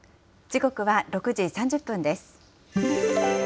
時刻は６時３０分です。